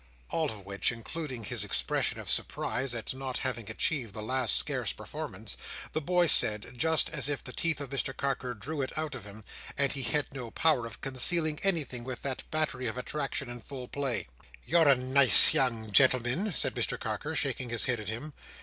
All of which, including his expression of surprise at not having achieved this last scarce performance, the boy said, just as if the teeth of Mr Carker drew it out of him, and he had no power of concealing anything with that battery of attraction in full play. "You're a nice young gentleman!" said Mr Carker, shaking his head at him.